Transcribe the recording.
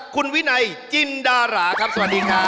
คุณวินัยจินดาราครับสวัสดีครับ